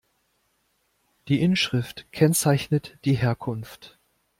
Die Inschrift kennzeichnet die Herkunft.